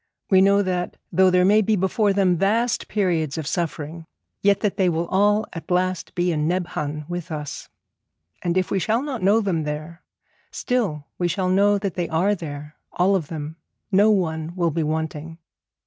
We know that, though there may be before them vast periods of suffering, yet that they will all at last be in Nebhan with us. And if we shall not know them there, still we shall know that they are there, all of them not one will be wanting.